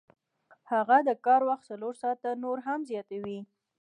هغه د کار وخت څلور ساعته نور هم زیاتوي